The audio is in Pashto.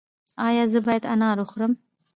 ایا زه باید انار وخورم؟